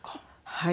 はい。